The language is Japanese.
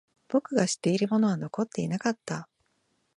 僕が知っているものは残っていなかった。